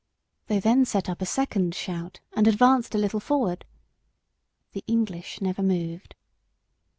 They then set up a second shout and advanced a little forward. The English never moved.